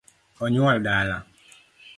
Onyuol dala